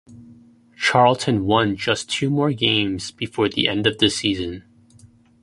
Charlton won just two more games before the end of the season.